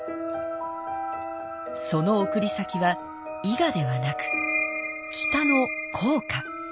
その送り先は伊賀ではなく北の甲賀。